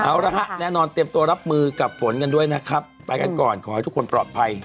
เอาละฮะแน่นอนเตรียมตัวรับมือกับฝนกันด้วยนะครับไปกันก่อนขอให้ทุกคนปลอดภัย